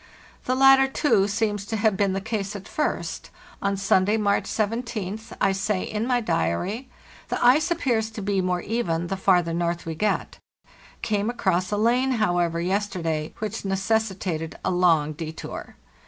The latter, too, seems to have been the case at first. On Sunday, March 17th, I say in my diary: 'The ice appears to be more even the farther north we get; came across a lane, however, yesterday which necessitated a long detour.